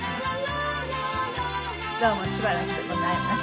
どうもしばらくでございました。